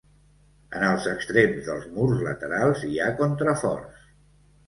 En els extrems dels murs laterals hi ha contraforts.